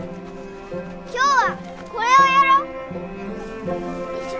今日はこれをやろう。